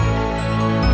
kamu juga seorang dukaku